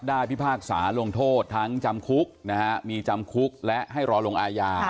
พิพากษาลงโทษทั้งจำคุกนะฮะมีจำคุกและให้รอลงอาญา